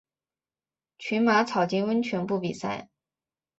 群马草津温泉部比赛。